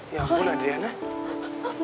ya ampun adriana